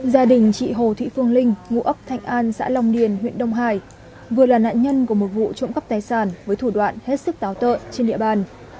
gia đình chị hồ thị phương linh ngụ ấp thạnh an xã long điền huyện đông hải vừa là nạn nhân của một vụ trộm cắp tài sản với thủ đoạn hết sức táo tợ trên địa bàn